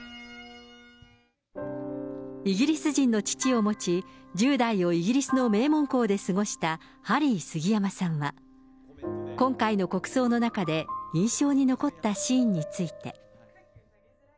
イギリス人の父を持ち、１０代をイギリスの名門校で過ごしたハリー杉山さんは、今回の国葬の中で、印象に残ったシーンについて。